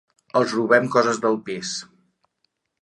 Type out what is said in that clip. Els robem coses del pis.